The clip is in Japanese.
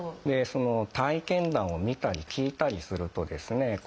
その体験談を見たり聞いたりするとですね